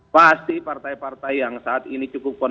pasti partai partai yang saat ini cukup konsi